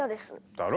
だろ？